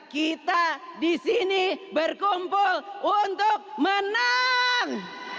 kita disini berkumpul untuk menang